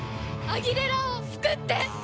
アギレラを救って！